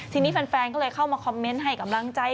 ทีนี้แฟนก็เลยเข้ามาคอมเมนต์ให้กำลังใจ